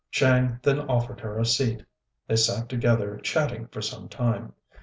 Chang then offered her a seat, and they sat together chatting for some time.